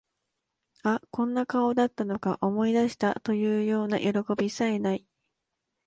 あ、こんな顔だったのか、思い出した、というようなよろこびさえ無い